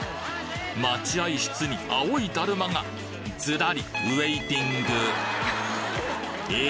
待合室に青いだるまがズラリウエイティングえ？